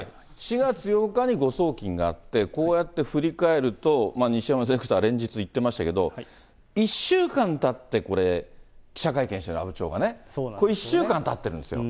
４月８日に誤送金があって、こうやって振り返ると、西山ディレクター、連日行ってましたけれども、１週間たってこれ、記者会見してる、阿武町がね。１週間たってるんですよ。